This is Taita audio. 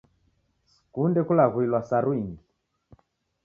Sikunde kulaghuilwa saru ingi.